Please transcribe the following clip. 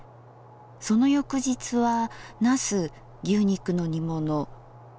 その翌日は「茄子牛肉の煮物」。